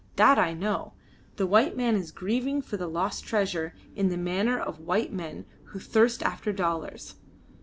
That I know! The white man is grieving for the lost treasure, in the manner of white men who thirst after dollars.